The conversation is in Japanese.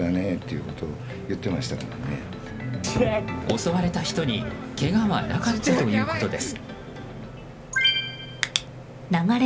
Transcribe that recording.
襲われた人にけがはなかったということです。